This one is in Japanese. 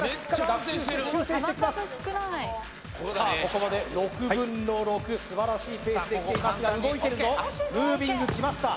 ここまで６分の６素晴らしいペースできていますが動いてるぞムービングきました